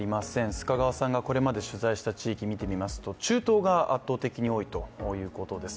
須賀川さんがこれまで取材された地域見ていきますと中東が圧倒的に多いということです。